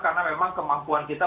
karena memang kemampuan kita